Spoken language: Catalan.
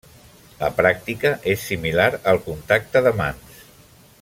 La pràctica és similar al contacte de mans.